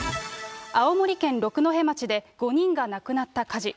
青森県六戸町で５人が亡くなった火事。